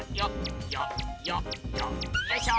よいしょ！